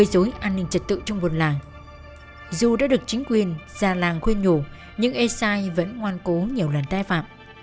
gây dối an ninh trật tự